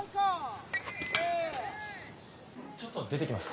ちょっと出てきます。